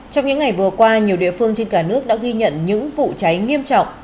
trong những ngày vừa qua nhiều địa phương trên cả nước đã ghi nhận những vụ cháy nghiêm trọng